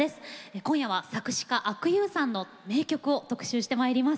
今夜は作詞家阿久悠さんの名曲を特集してまいります。